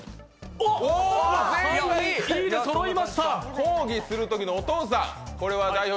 抗議するときのお父さん。